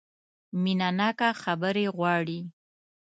مینه ناکه خبرې غواړي .